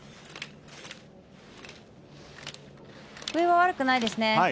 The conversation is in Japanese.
上は悪くないですね。